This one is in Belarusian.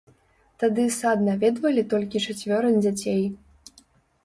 Тады сад наведвалі толькі чацвёра дзяцей.